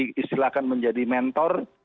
atau diistilahkan menjadi mentor